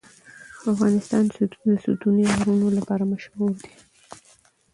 افغانستان د ستوني غرونه لپاره مشهور دی.